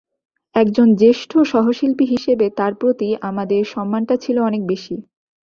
একজন জ্যেষ্ঠ সহশিল্পী হিসেবে তাঁর প্রতি আমাদের সম্মানটা ছিল অনেক বেশি।